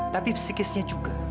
tapi psikisnya juga